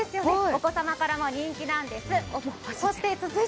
お子様からも人気なんです。